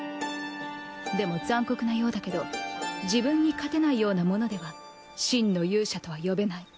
でも残酷なようだけど自分に勝てないような者では真の勇者とは呼べない。